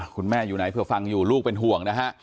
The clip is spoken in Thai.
คุณแม่อยู่ไหนเผื่อฟังอยู่ลูกเป็นห่วงนะฮะ